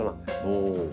おお。